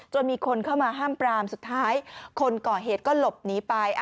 มีคนเข้ามาห้ามปรามสุดท้ายคนก่อเหตุก็หลบหนีไป